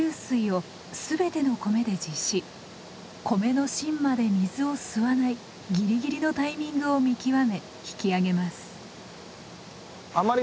米の芯まで水を吸わないギリギリのタイミングを見極め引き上げます。